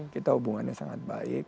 kita hubungannya sangat baik